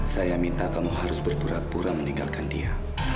saya minta kamu harus berpura pura meninggalkan dia